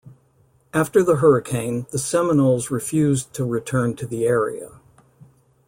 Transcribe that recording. After the hurricane, the Seminoles refused to return to the area.